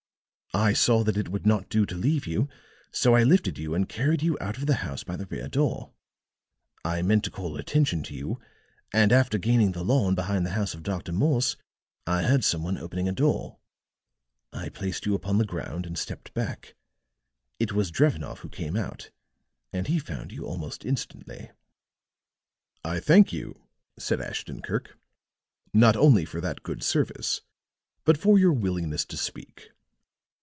I saw that it would not do to leave you, so I lifted you and carried you out of the house by the rear door. I meant to call attention to you, and after gaining the lawn behind the house of Dr. Morse, I heard some one opening a door. I placed you upon the ground and stepped back. It was Drevenoff who came out, and he found you almost instantly." "I thank you," said Ashton Kirk, "not only for that good service, but for your willingness to speak."